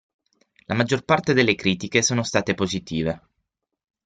La maggior parte delle critiche sono state positive.